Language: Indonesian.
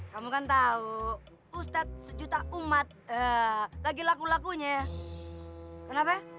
kamu kan tahu ustadz sejuta umat lagi laku lakunya kenapa